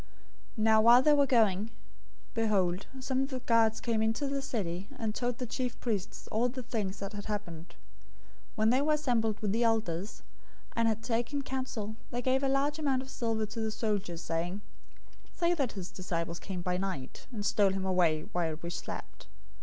028:011 Now while they were going, behold, some of the guards came into the city, and told the chief priests all the things that had happened. 028:012 When they were assembled with the elders, and had taken counsel, they gave a large amount of silver to the soldiers, 028:013 saying, "Say that his disciples came by night, and stole him away while we slept.